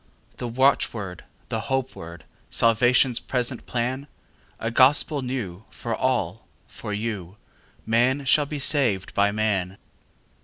The watchword, the hope word, Salvation's present plan?A gospel new, for all—for you:Man shall be saved by man.